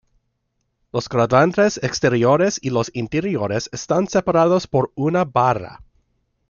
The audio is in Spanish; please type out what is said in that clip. Los cuadrantes exteriores y los interiores están separados por una barra.